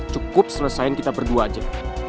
cukup selesain kita berdua aja